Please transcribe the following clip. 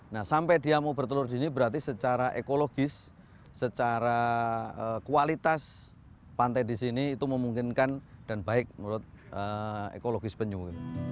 nah sampai dia mau bertelur di sini berarti secara ekologis secara kualitas pantai di sini itu memungkinkan dan baik menurut ekologis penyu